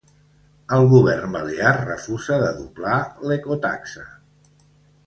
El govern balear refusa de doblar l’ecotaxa.